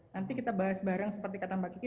nanti kita bahas bareng seperti kata mbak kiki